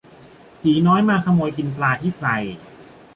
ผีน้อยที่มาขโมยกินปลาที่ไซ